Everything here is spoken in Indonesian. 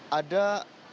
ini juga terdapat